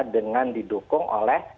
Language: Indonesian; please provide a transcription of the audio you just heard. dengan didukung oleh